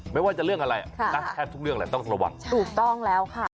ไม่ว่าจะเรื่องอะไรนะแทบทุกเรื่องแหละต้องระวังถูกต้องแล้วค่ะ